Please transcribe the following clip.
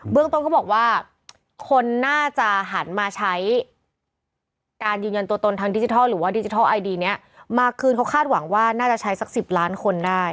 เรื่องต้นเขาบอกว่าคนน่าจะหันมาใช้การยืนยันตัวตนทางดิจิทัลหรือว่าดิจิทัลไอดีนี้มาคืนเขาคาดหวังว่าน่าจะใช้สัก๑๐ล้านคนได้